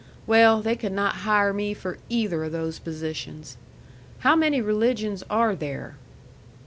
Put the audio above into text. Well, they could not hire me for either o' those positions. How many religions are there?"